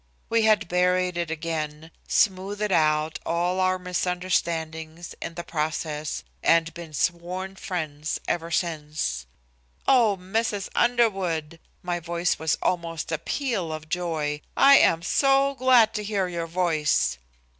We had buried it again, smoothed out all our misunderstandings in the process and been sworn friends ever since. "Oh, Mrs. Underwood!" My voice was almost a peal of joy. "I am so glad to hear your voice."